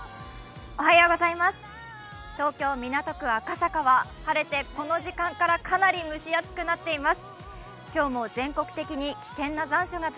東京・港区赤坂は晴れてこの時間からかなり蒸し暑くなっています。